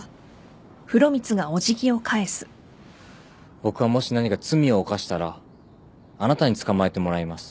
僕はもし何か罪を犯したらあなたに捕まえてもらいます。